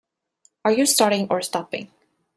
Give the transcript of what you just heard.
Are you starting or stopping?